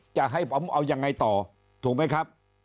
จะให้ผมเอายังไงต่อถูกไหมครับ